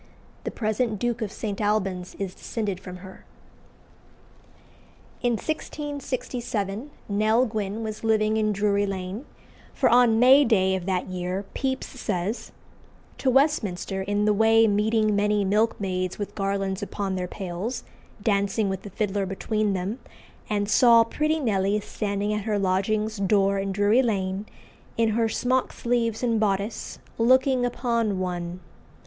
The present Duke of St. Alban's is descended from her. In 1667 Nell Gwynn was living in Drury Lane, for on May day of that year Pepys says "To Westminster, in the way meeting many milkmaids with garlands upon their pails, dancing with a fiddler between them; and saw pretty Nelly standing at her lodging's door in Drury Lane, in her smock sleeves and boddice, looking upon one.